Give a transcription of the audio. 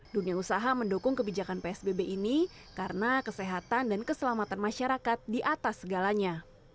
dunia usaha mendukung kebijakan psbb ini karena kesehatan dan keselamatan masyarakat di atas segalanya